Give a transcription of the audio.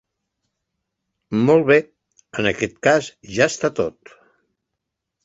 Molt bé, en aquest cas ja està tot.